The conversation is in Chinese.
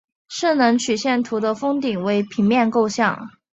势能曲线图的峰顶为平面构象。